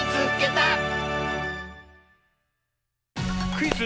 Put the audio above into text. クイズ